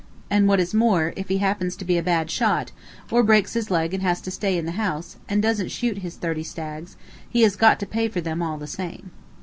And, what is more, if he happens to be a bad shot, or breaks his leg and has to stay in the house, and doesn't shoot his thirty stags, he has got to pay for them all the same.